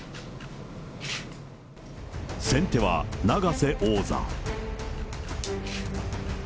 先手は永瀬王座。